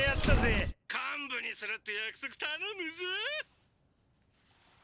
幹部にするって約束頼むぞ！